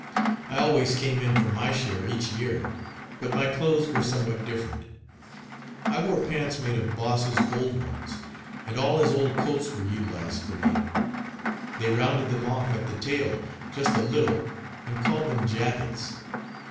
I always came in for my share each year, but my clothes were somewhat different. I wore pants made of Bosse's old ones, and all his old coats were utilized for me. They rounded them off at the tail just a little and called them jackets.